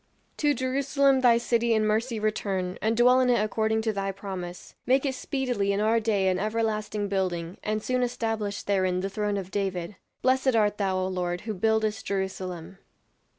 "To Jerusalem thy city in mercy return, and dwell in it according to thy promise; make it speedily in our day an everlasting building, and soon establish therein the throne of David. Blessed art thou, O Lord, who buildest Jerusalem."